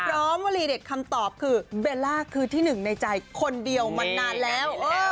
วลีเด็ดคำตอบคือเบลล่าคือที่หนึ่งในใจคนเดียวมานานแล้ว